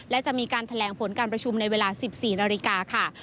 และจะมีการแถลงผลการประชุมในเวลา๑๔นาฬิกาค่ะ